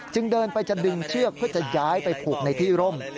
เดินไปจะดึงเชือกเพื่อจะย้ายไปผูกในที่ร่ม